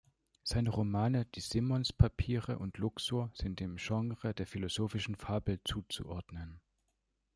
Seine Romane "Die Simmons Papiere" und "Luxor" sind dem Genre der philosophischen Fabel zuzuordnen.